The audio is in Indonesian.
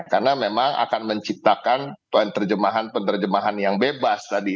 karena memang akan menciptakan penerjemahan penerjemahan yang bebas tadi